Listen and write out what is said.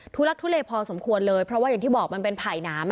ลักทุเลพอสมควรเลยเพราะว่าอย่างที่บอกมันเป็นไผ่หนาม